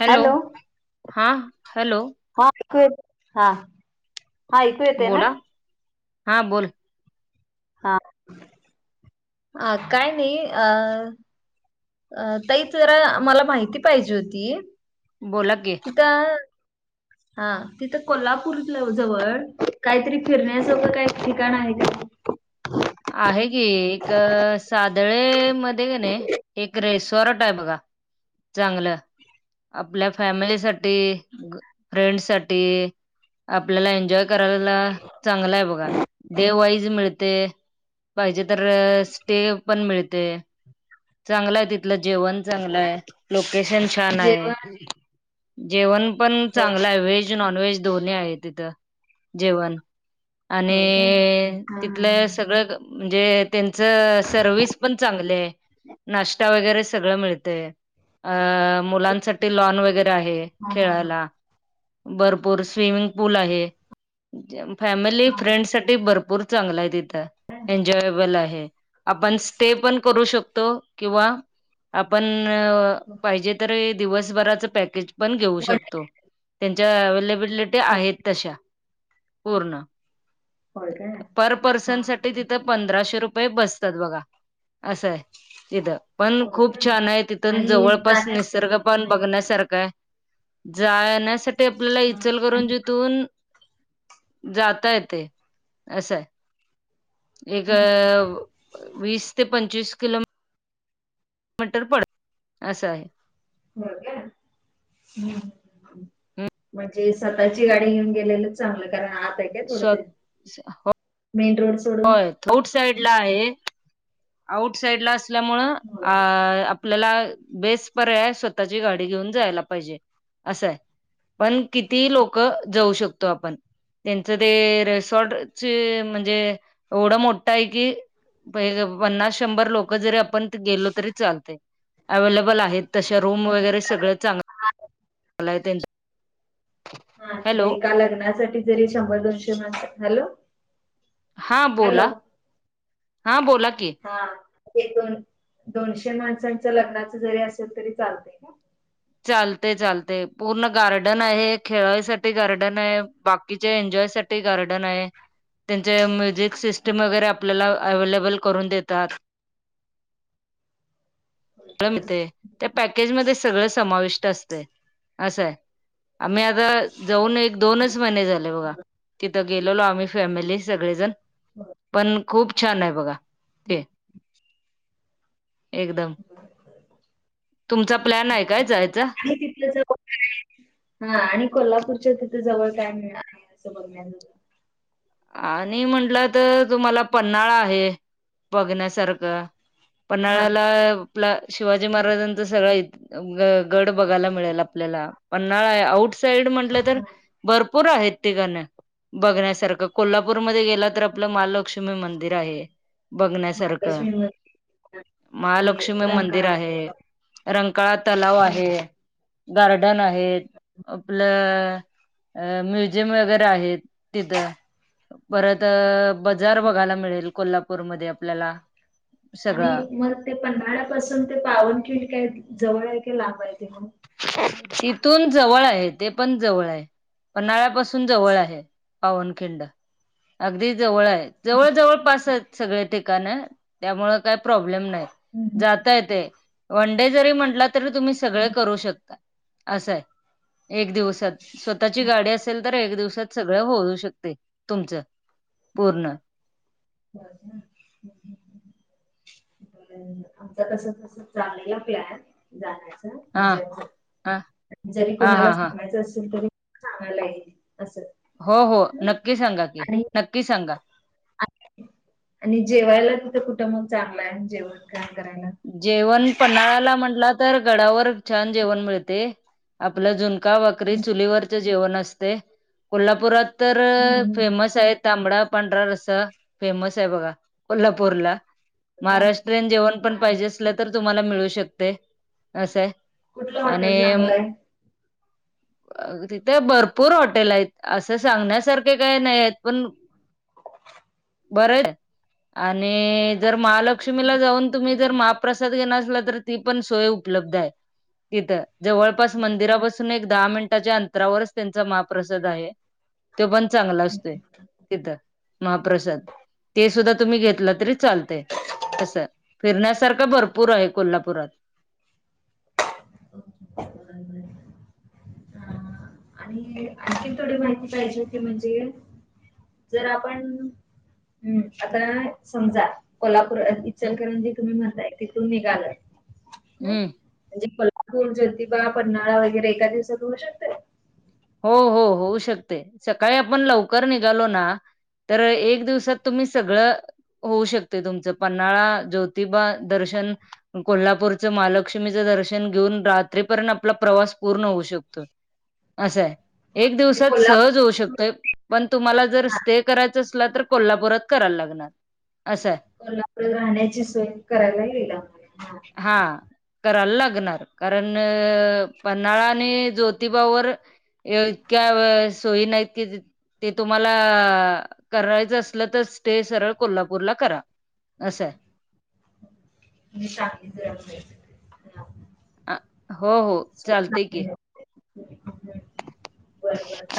Hello? हा hello? हा [unintelligible] हा. हा ऐकू येते ना बोला हा बोल. हा अ काय नाही अ अ ताई जरा मला माहिती पाहिजे होती. बोला कि. [unintelligible] हा तिथं कोल्हापूर जवळ, काहीतरी फिरण्यासखं काही ठिकाण आहे का? आहे की. एक सादळे मध्ये का नाही एक रेस सोरट आहे बघा चांगल आपल्या फॅमिलीसाठी. ते फ्रेंड साठी आपल्याला एन्जॉय करायला चांगला आहे बघा. डे वाईज मिळते. पाहिजे तर स्टे पण मिळते. चांगल आहे तिथल जेवण चांगल आहे. लोकेशन छान आहे. जेवण जेवण पण हो चांगलं आहे. व्हेज नॉनव्हेज दोन्ही आहे तिथ जेवण. आणि हो काय हा तिथले सगळ म्हणजे त्यांच सर्विस पण चांगली आहे. नाश्ता वगैरे सगळ मिळतय. अ मुलांसाठी लॉन वगैरे आहे हा हा हा हा खेळायला. भरपूर स्विमिंग पूल आहे. फॅमिली फ्रेंड साठी भरपूर चांगला आहे तिथ. एन्जॉयबल आहे. आपण स्टे पण करू शकतो. किंवा आपण हो पाहिजे तर दिवसभराच पॅकेज पण घेऊ शकतो. त्यांच्या अवलेबिलिटी आहेत तशा. पूर्ण होय काय पर हा पर्सन हा साठी हा तिथ पंधराशे रुप प बसतात बघा असंय तिथं पण होय खूप काय छान आहे. तिथून आणि जवळपास जाण्यास निसर्ग पण बघण्यासारखं आहे. जायेण्यासा आपल्याला इचल आणि करंजीतुन जाता येते. असय. एक वीस ते पंचवीस किलो मीटर पडत. असं आहे. हो का हम्म म्हणजे स्वतःची गाडी घेऊन गेलेलच चांगल. कारण आता आहे. थोड स्व ते मेन रोड हो सोडून आउट साइडला आहे. आउट साईडला असल्यामुळ हो अ आपल्याला बेस पर्याय स्वतःची गाडी घेऊन जायला पाहिजे. असंय. पण कितीही लोक जाऊ शकतो आपण. त्यांचं ते रिसॉर्टचे म्हणजे एवढ मोठा आहे की पन्नास शंभर लोक जरी आपण गेलो तरी चालतय. अवेलेबल आहेत. तशा रूम म्हणजे वगैरे एका सगळं हा चांगल आहे. त्यांच हा एका लग्नासाठी जरी शंभर दोनशे मानस हॅलो हा बोला. हॅलो हा बोला कि. हा ते दोन दोनशे माणसांच्या लग्नाच जरी असेल तरी चालतय का? चालतेय चालतेय पूर्ण गार्डन आहे. खेळायसाठी गार्डन आहे. बाकीच्या एन्जॉयसाठी ते गार्डन आहे‌. त्यांचे म्युझिक सिस्टम वगैरे आपल्याला अवेलेबल करून देतात‌. हो. म त्या पॅकेज मध्येच सगळ समाविष्ट असते. असंय. आम्ही आता जाऊन एक दोनच महिने झाले बघा. तिथ गेलेलो आम्ही फॅमिली सगळेजण. पण खूप छान आहे बघा हो. ते. एकदम तुमचा प्लॅन [unintelligible] आहे काय जायचा हा आणि कोल्हापूरच्या तिथे जवळ काय मिळणार. अस बघण्या आणि म्हटलं तर तुम्हाला पन्हाळा आहे बघण्यासारख. हा पन्हाळ्याला. आपल शिवाजी महाराजांचं सगळं गड बघायला मिळेल आपल्याला. पन्हाळा आउट साईड म्हटलं तर. हा भर पुर आहेत ठिकाण. बघण्यासारखं. कोल्हापूरमध्ये गेला तर. आपलं महालक्ष्मी मंदिर आहे. बघण्यासारखं. महालक्ष्मी मंदिर आणि महालक्ष्मी मंदिर आहे. रंकाळा रंकाळा तलाव आहे. गार्डन आहेत. आपलं अ म्युझियम वगैरे आहेत. तिथं. परत बजार हम्म. बघायला मिळेल. कोल्हापूरमध्ये. आपल्याला. आणि सगळा मग ते पंन्हाळ्यापासून ते पावनखिड काय जवळ आहे. का लांब आहे तीथून. तिथून जवळ आहे. ते पण जवळ आहे. पन्हाळ्यापासून जवळ आहे. पावनखिंड. अगदी जवळ आहे. जवळ जवळ आहे का? पासाच सगळे. ठीकान. त्यामुळे काय प्रॉब्लेम नाही. हम्म, हम्म, जाता येते. वनडे जरी म्हणलं तरी तुम्ही सगळ हम्म. करू शकता. असय. एक दिवसात. स्वतः गाडी असेल तर. एक दिवसात सगळं होऊ शकते. तुमचं. पूर्ण. बजा [inaudible] आमच कस. तस चालला प्लॅन जाण्याचा. हा म्हणजे. हा जरी हा कोणाला हा हा सांगायचं असेल. तरी सांगायला येल असं. हो हो. हम्म नक्की सांगा की. आणि नक्की सांगा. आणि जेवायला तिथं कुठं मग चांगलंय. जेवण तेन करायला. जेवण पन्हाळाला म्हटला तर. गडावर छान जेवण मिळते. आपलं झून का भाकरी. हम्म चुलीवरचे जेवण असते. कोल्हापुरात तर हम्म हम्म. फेमस आहेत. तांबडा पांढरा रसा फेमस आहे बघा. कोल्हापूरला. काय? महाराष्ट्रीयन जेवण आणि पाजे अस तर. तुम्हाला मिळू शकते. असय. कुठलं आणि हॉटेल चांगलं [unintelligible] तिथे भरपूर हॉटेल आहेत. असं सांगण्यासारखे काही नाहीयेत. पण बरेय. आणि जर आहे? महालक्ष्मीला जाऊन तुम्ही. जर महाप्रसाद घेणार असला. तर ती पण सोय उपलब्ध आहे. तिथं. जवळपास मंदिरापासून एक दहा मिनिटाच्या अंतरावरच त्यांचा महाप्रसाद आहे. तो पण चांगला असतोय. तिथ. महाप्रसाद. ते सुद्धा तुम्ही घेतला तरी चालत. कसं. फिरण्यासारखा भरपूर आहे. कोल्हापुरात. बरोबर [unintelligible] ह. आणि आणखीन थोडी माहिती पाहिजे होती. म्हणजे जर आपण. हम्म. आता समजा कोल्हापूर. इचलकरंजी तुम्ही म्हणताय. तिथून निघालय. हम्म म्हणजे पूण जोतीबा, पन्हाळा वगैरे एका दिवात होऊ शकत. हो हो होऊ शकते. सकाळी आपण लवकर निघालो ना. तर एक दिवसात. तुम्ही सगळं होऊ शकते. तुमचं. पन्हाळा, ज्योतिबा दर्शन. कोल्हापूरचं महालक्ष्मीचं दर्शन घेऊन. रात्रीपर्यंत आपला प्रवास पूर्ण होऊ शकतो. असंय. एक म्हणजे दिवसात. सहज होऊ कोल्हापूर शकतोय. पण तुम्हाला जर हा, स्टे करायचं असल. तर कोल्हापूरात करायला लागणार. असं आहे. कोल्हापूरला राहण्याची सोय करायला येईल आम्हाला. हां. करायला लागणार. कारण पन्हाळा आणि ज्योतिबावर इतक्या सोयी नाहीत. कि ते तुम्हाला करायचं असलं तर. स्टे सरळ कोल्हापूरला करा. असय. म्हणजे शां [unintelligible] अ. हो हो. चालतय की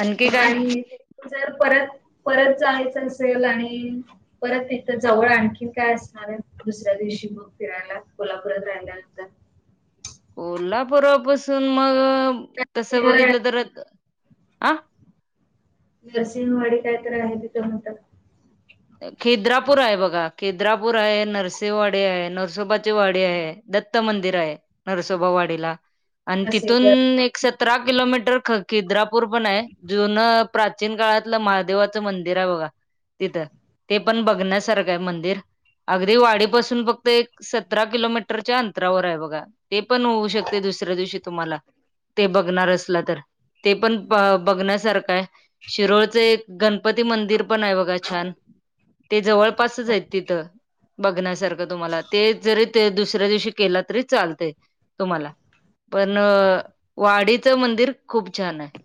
आणखी काय जर परत, परत जायचं असेल आणि परत तिथं जवळ आणखीन काय असणार आहे दुसऱ्या दिवशी मग फिरायला कोल्हापुरात राहायला. कोल्हापुरापसून मग तस काय बघितलं तर हं नरसिंहवाडी काय तर आहे तिथ मोठ. खेद्रापूर आहे बघा खेद्रापूर आहे नरसिंवाडी आहे नरसोबाची वाडी आहे. दत्त मंदिर आहे नरसोबावाडीला आणि तिथून प्रसिद्ध एक सतरा किलोमीटर किद्रापूर पण आहे जुनं. प्राचीन काळातलं महादेवाचं मंदिर आहे बघा तिथ. ते पण बघण्यासारखं आहे मंदिर. अगदी वाडी पासून फक्त एक सतरा किलोमीटरच्या अंतरावर आहे बघा. ते पण होऊ शकते दुसऱ्या दिवशी तुम्हाला ते बघणार असलं तर. ते पण बघण्यासारखं आहे शिरोळचं एक गणपती मंदिर पण आहे बघा छान. ते जवळपासच आहेत तिथं बघण्यासारखं तुम्हाला ते जरी, ते दुसऱ्या दिवशी केला तरी चालते तुम्हाला. पण वाडीचं मंदिर खूप छान आहे.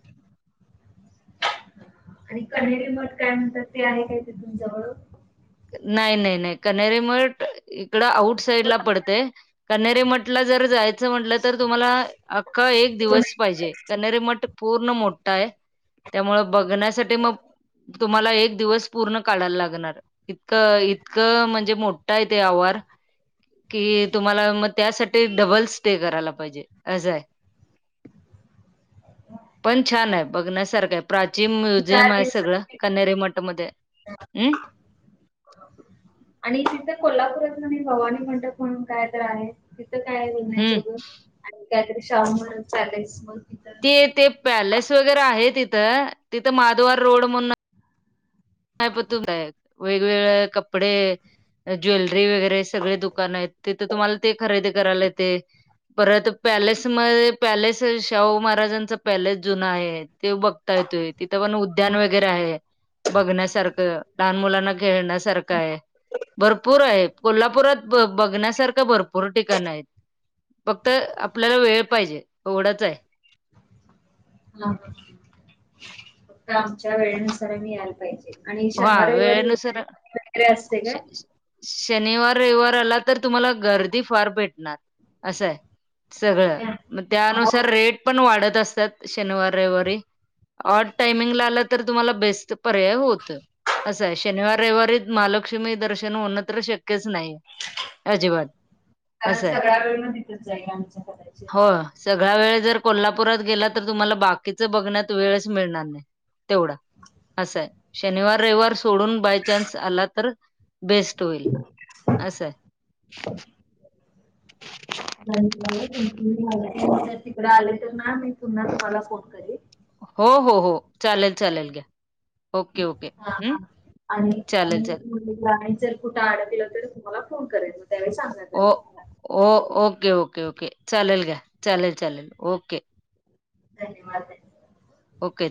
आणि कनेहेरी मठ काय म्हणतात ते आहे कय तिथून जवळून. नाही नाही नाही कनरेमठ इकड आउट साईड ला कोल्हापूर पडतेय. कन्हेरी मठ ला जर जायचं म्हटल तर तुम्हाला अख्खा एक दिवस नाही. पाहिजे कन्हेरी मठ पूर्ण मोठा आहे त्यामुळे बघण्यासाठी मग, तुम्हाला एक दिवस पूर्ण काढायला लागणार. इतकं इतकं म्हणजे मोठा आहे ते आवार. कि, तुम्हाला मग त्यासाठी डबल स्टे करायला पाहिजे असंय. [inaudible] पण छान आहे बघण्यासारखं आहे. प्राचीन चार म्युझियम आहे सगळं दिवसात कन्हेरी मठमध्ये हम आणि तिथ कोल्हापूरातून आणि भवानी मंडप म्हणून काय तर आहे. तिथं काय हम्म. फिरण्याजोग आणि काहीतरी शाहूमहाराज पॅलेस मग तिथ, त ते पॅलेस वगैरे आहे तिथं. तिथं माधवार रोड म्हणून, नाही पण तुलाय वेगवेगळे कपडे ज्वेलरी वगैरे सगळे दुकान आहेत तिथे तुम्हाला ते खरेदी करायला येते. परत पॅलेस म पॅलेस शाहू महाराजांचा पॅलेस जुना आहे ते बघता येतो. तिथं पण हा उद्यान वगैरे आहे बघण्यासारखं लहान मुलांना खेळण्यासारखं आहे. भरपूर आहे कोल्हापुरात ब बघण्यासारखं भरपूर ठिकाण आहेत. फक्त आपल्याला वेळ पाहिजे एवढच आहे. ह ह फक्त आमच्या वेळेनुसार आम्ही यायला पाहिजे आणि हा वेळेनुसार शनिवारविवारी [unintelligible] असते श का? शनिवार रविवार आला तर तुम्हाला गर्दी फार भेटणार असंय. सगळं काय? मग हो त्यानुसार रेट पण वाढत असतात शनिवार रविवारी. ऑड टायमिंग ला आलं तर तुम्हाला बेस्ट पर्याय होत. असं आहे शनिवार रविवारीत महालक्ष्मी दर्शन होण तर शक्यच नाही. अजिबात कारण असं आहे सगळ्या वेळ म तिथच जाईल आमचचा कदाचित हो सगळा वेळ जर कोल्हापुरात गेला तर तुम्हाला बाकीच बघण्यात वेळच मिळणार नाही. तेवढा असंय शनिवार रविवार सोडून बायचान्स आला तर बेस्ट होईल अस. तिकडे आले तर ना मी पुन्हा तुम्हाला फोन करेन. हो हो हो चालेल चालेल घ्या ओके ओके हा हम्म आणि आणि चालेल चालेल [unintelligible] कुठं अडकलतर तुम्हाला फोन करेल मग त्या सांगा जरा ओ आम्हाला. ओके, ओके, ओके, चालेल घ्या चालेल चालेल ओके. धन्यवाद [unintelligible] ओके.